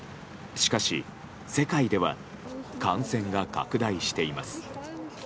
しかし、世界では感染が拡大しています。